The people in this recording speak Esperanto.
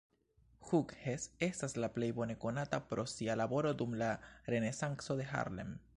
Hughes estas plej bone konata pro sia laboro dum la Renesanco de Harlem.